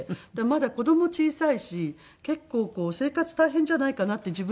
まだ子供小さいし結構生活大変じゃないかなって自分でも思って。